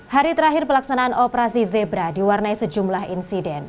hari terakhir pelaksanaan operasi zebra diwarnai sejumlah insiden